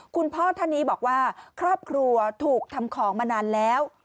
คุณพ่อท่านนี้บอกว่าครอบครัวถูกทำของมานานแล้ว